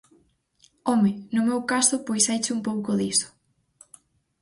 Home, no meu caso pois haiche un pouco diso.